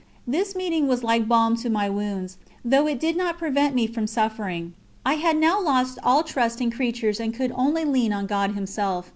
This meeting was like balm to my wounds, though it did not prevent me from suffering. I had now lost all trust in creatures and could only lean on God Himself.